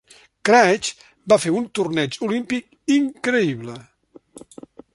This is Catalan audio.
Craig va fer un torneig olímpic increïble.